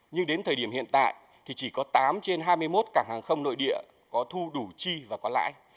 nhưng đến thời điểm hiện tại thì chỉ có tám trên hai mươi một cảng hàng không nội địa có thu đủ chi và có lãi